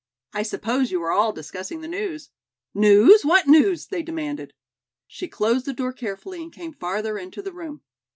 "I suppose you are all discussing the news." "News? What news?" they demanded. She closed the door carefully and came farther into the room.